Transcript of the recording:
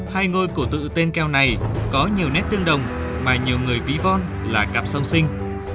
hai ngôi cổ tự tên keo này có nhiều nét tương đồng mà nhiều người ví von là cặp song sinh